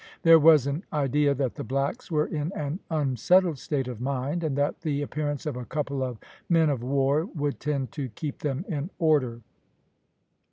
There was an idea that the blacks were in an unsettled state of mind, and that the appearance of a couple of men of war would tend to keep them in order.